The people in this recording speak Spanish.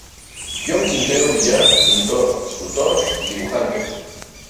John Quintero Villar, pintor, escultor y dibujante.